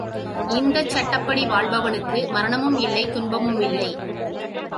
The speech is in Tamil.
இந்தச் சட்டப்படி வாழ்பவனுக்கு மரணமுமில்லை, துன்பமுமில்லை.